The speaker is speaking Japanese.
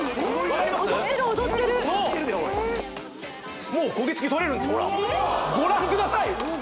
踊ってる踊ってる踊ってるでおいもう焦げ付き取れるんですほらご覧ください